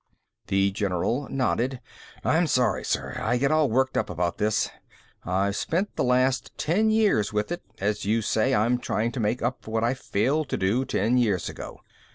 The general nodded. "I'm sorry, sir. I get all worked up about this. I've spent the last ten years with it. As you say, I'm trying to make up for what I failed to do ten years ago.